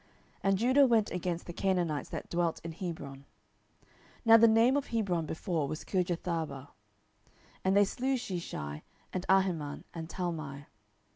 07:001:010 And Judah went against the Canaanites that dwelt in Hebron: (now the name of Hebron before was Kirjatharba:) and they slew Sheshai, and Ahiman, and Talmai.